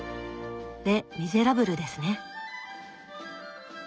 「レ・ミゼラブル」ですね。